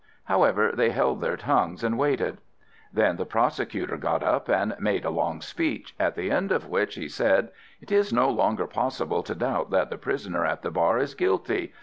However, they held their tongues and waited. Then the prosecutor got up, and made a long speech, at the end of which he said, "It is no longer possible to doubt that the prisoner at the bar is guilty.